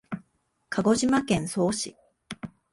鹿児島県曽於市